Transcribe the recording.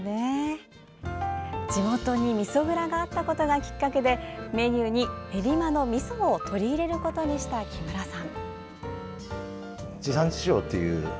地元にみそ蔵があったことがきっかけでメニューに練馬のみそを取り入れることにした木村さん。